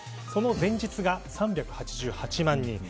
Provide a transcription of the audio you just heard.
その前日が３８８万人。